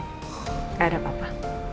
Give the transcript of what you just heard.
nggak ada apa apa